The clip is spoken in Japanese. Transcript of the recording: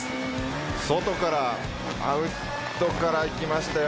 外からアウトからいきましたよ。